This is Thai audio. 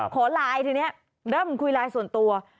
ขอไลน์ทีนี้เริ่มคุยไลน์ส่วนตัว